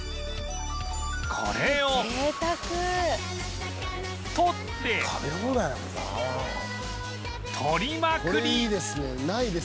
これを取って取りまくり！